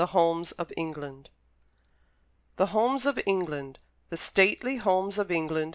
John Bright THE HOMES OF ENGLAND The stately homes of England!